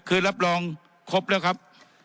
คือรับรองครบแล้วครับ